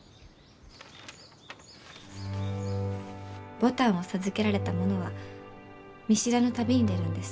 牡丹を授けられた者は見知らぬ旅に出るんです。